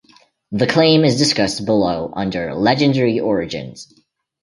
The claim is discussed below under Legendary origins.